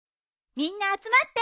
みんな集まって。